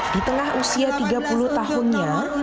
di tengah usia tiga puluh tahunnya